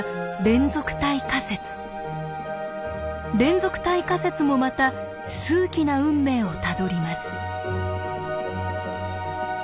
連続体仮説もまた数奇な運命をたどります。